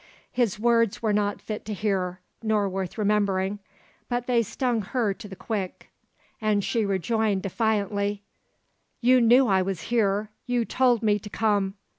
His words were not fit to hear, nor worth remembering; but they stung her to the quick and she rejoined defiantly: "You knew I was here; you told me to come!